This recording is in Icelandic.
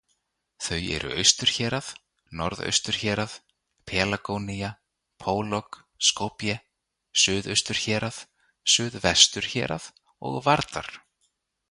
Þau eru Austurhérað, Norðausturhérað, Pelagónía, Pólog, Skopje, Suðausturhérað, Suðvesturhérað og Vardar.